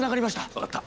分かった。